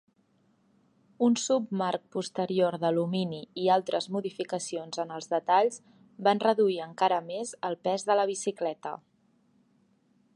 Un submarc posterior d'alumini i altres modificacions en els detalls van reduir encara més el pes de la bicicleta.